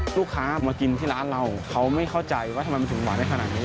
ลูกค้ามากินที่ร้านเราเขาไม่เข้าใจว่าทำไมมันถึงหวานได้ขนาดนี้